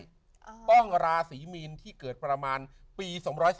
ต้องราศีมีนที่เกิดประมาณปี๒๔